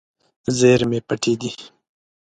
زیرمې پټې دي.